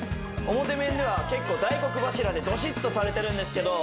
表面では結構大黒柱でドシっとされてるんですけど